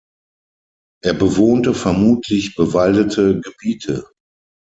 Er bewohnte vermutlich bewaldete Gebiete.